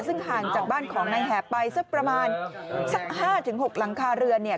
ซึ่งห่างจากบ้านของนายแหบไปสักประมาณสัก๕๖หลังคาเรือนเนี่ย